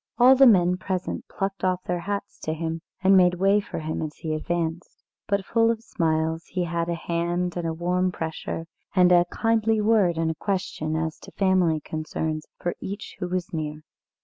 All the men present plucked off their hats to him, and made way for him as he advanced. But, full of smiles, he had a hand and a warm pressure, and a kindly word and a question as to family concerns, for each who was near.